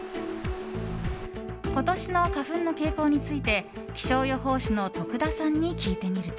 今年の花粉の傾向について気象予報士の徳田さんに聞いてみると。